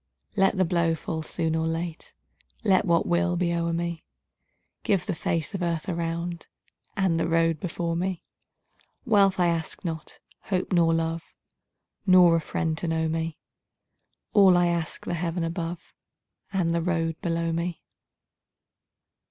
Let the blow fall soon or late, Let what will be o'er me; Give the face of earth around, And the road before me. Wealth I ask not, hope nor love, Nor a friend to know me; All I ask, the heaven above And the road below me.